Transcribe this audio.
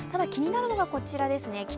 気になるのがこちらですね